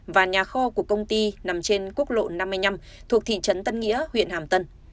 và nhà kho của công ty nằm trên quốc lộ năm mươi năm thuộc thị trấn tân nghĩa huyện hàm tân